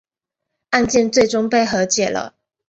案件最终被和解了。